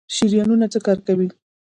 شریانونه څه کار کوي؟